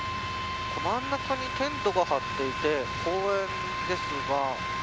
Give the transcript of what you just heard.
真ん中にテントが張っていて公園ですが。